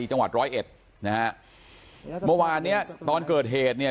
จังหวัดร้อยเอ็ดนะฮะเมื่อวานเนี้ยตอนเกิดเหตุเนี่ย